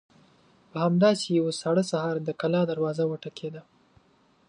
په همداسې يوه ساړه سهار د کلا دروازه وټکېده.